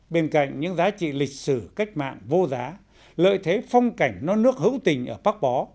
bên cạnh những giá trị lịch sử cách mạng vô giá lợi thế phong cảnh non nước hữu tình ở pháp bó